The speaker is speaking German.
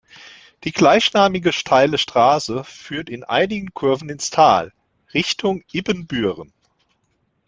Die gleichnamige steile Straße führt in einigen Kurven ins Tal Richtung Ibbenbüren.